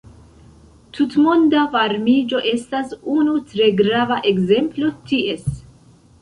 Tutmonda varmiĝo estas unu tre grava ekzemplo ties.